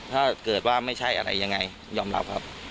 ถ้าเกิดว่าไม่ใช่อะไรยังไงยอมรับครับ